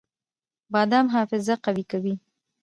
بادام حافظه قوي کوي